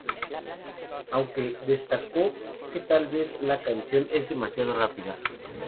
Aunque, destacó que tal vez la canción es demasiada rápida.